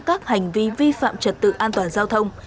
các hành vi vi phạm trật tự an toàn giao thông